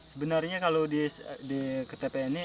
sebenarnya kalau di ktp ini